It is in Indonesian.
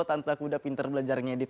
tante aku udah pinter belajar ngedit